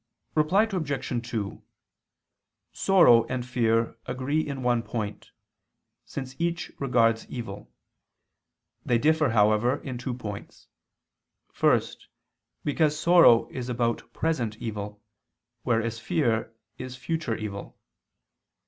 Reply Obj. 2: Sorrow and fear agree in one point, since each regards evil: they differ, however, in two points. First, because sorrow is about present evil, whereas fear is future evil.